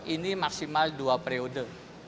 ini maksimal dua periode